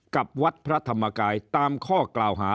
กับวัดพระธรรมกายตามข้อกล่าวหา